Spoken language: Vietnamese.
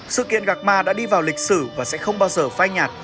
sự kiện gạc ma đã đi vào lịch sử và sẽ không bao giờ phát triển